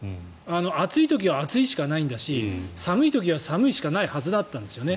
暑い時は暑いしかないんだし寒いときは寒いしかないはずだったんですね。